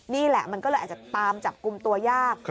นี่แหละมันก็เลยอาจจะตามจับกลุ่มตัวยาก